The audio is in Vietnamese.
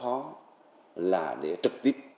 khó là để trực tiếp